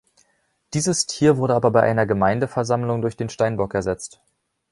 Dieses Tier wurde aber bei einer Gemeindeversammlung durch den Steinbock ersetzt.